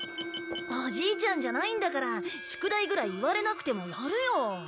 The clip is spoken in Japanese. おじいちゃんじゃないんだから宿題ぐらい言われなくてもやるよ。